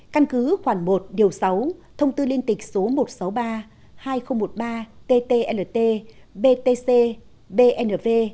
căn cứ khoảng một điều sáu thông tư liên tịch số một trăm sáu mươi ba hai nghìn một mươi ba ttlt btc bnv